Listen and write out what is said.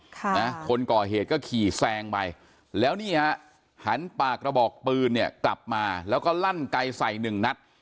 ค่ะนะคนก่อเหตุก็ขี่แซงไปแล้วนี่ฮะหันปากกระบอกปืนเนี่ยกลับมาแล้วก็ลั่นไกลใส่หนึ่งนัด